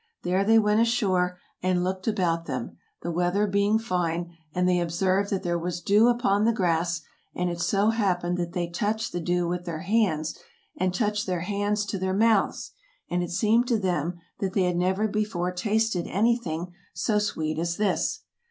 There they went ashore and looked about them, the weather being fine, and they observed that there was dew upon the grass, and it so happened that they touched the dew with their hands, and touched their hands to their mouths, and it seemed to them that they had never before tasted anything so sweet as this.